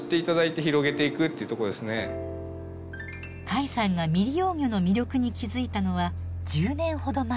甲斐さんが未利用魚の魅力に気付いたのは１０年ほど前。